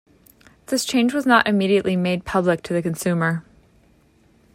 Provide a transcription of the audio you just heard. This change was not immediately made public to the consumer.